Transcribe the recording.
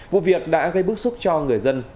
vụ việc đã gây bức xúc cho người dân